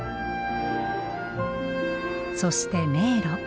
そして迷路。